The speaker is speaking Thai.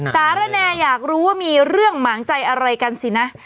สารแนอยากรู้ว่ามีเรื่องหมางใจอะไรกันสินะ